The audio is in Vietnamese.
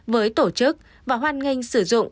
với tổ chức và hoan nghênh sử dụng